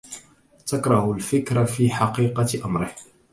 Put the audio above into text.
تكره الفكر في حقيقة أمر